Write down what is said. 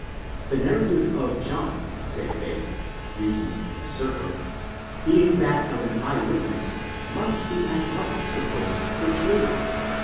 The narrative of John, say they (reason ing in a circle), being that of an eye witness, must be at once supposed the true one